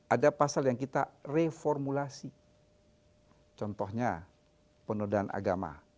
ada pasal yang kita reformulasi contohnya penodaan agama